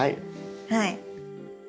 はい。